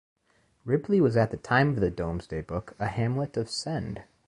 Ripley was at the time of the Domesday Book a hamlet of Send.